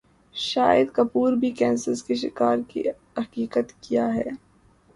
شاہد کپور بھی کینسر کے شکار حقیقت کیا ہے